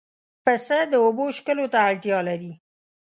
پسه د اوبو څښلو ته اړتیا لري.